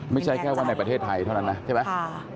ไม่ใช่แค่ว่าในประเทศไทยเท่านั้นนะใช่ไหม